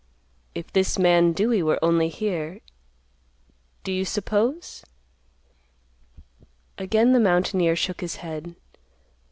If this man Dewey were only here, do you suppose—?" Again the mountaineer shook his head.